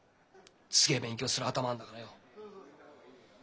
すげえ勉強する頭あんだからよ。